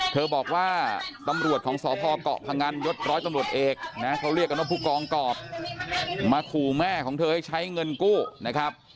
เธอบอกว่าตำรวจของสพเกาะพงันยศร้อยตำรวจเอกนะเขาเรียกกันว่าผู้กองกรอบมาขู่แม่ของเธอให้ใช้เงินกู้นะครับ